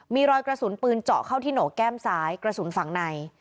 มีรอยกระสุนปืนเจาะเข้าที่โหนกแก้มซ้ายกระสุนฝั่งใน